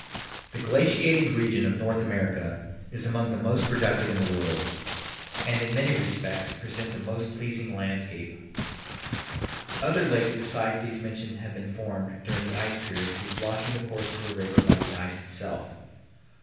The glaciated region of North America is among the most productive in the world, and in many respects presents a most pleasing landscape. Other lakes besides these mentioned have been formed during the ice period through blocking the course of a river by the ice itself. Dr.